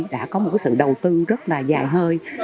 đã có một sự đầu tư rất là dài hơi